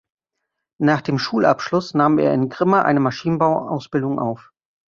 Nach dem Schulabschluss nahm er in Grimma eine Maschinenbau-Ausbildung auf.